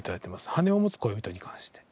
『羽を持つ恋人』に関して。